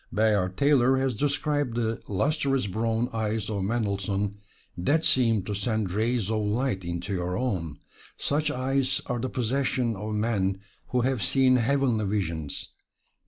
Bayard Taylor has described the lustrous brown eyes of Mendelssohn, that seemed to send rays of light into your own: "Such eyes are the possession of men who have seen heavenly visions.